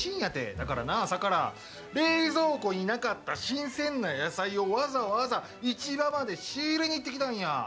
だからな、朝から冷蔵庫になかった新鮮な野菜を、わざわざ市場まで仕入れに行ってきたんや。